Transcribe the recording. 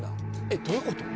えっどういうこと？